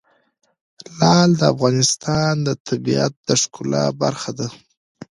لعل د افغانستان د طبیعت د ښکلا برخه ده.